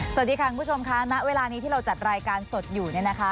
สวัสดีค่ะคุณผู้ชมค่ะณเวลานี้ที่เราจัดรายการสดอยู่เนี่ยนะคะ